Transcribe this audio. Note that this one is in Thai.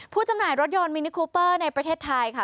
จำหน่ายรถยนต์มินิคูเปอร์ในประเทศไทยค่ะ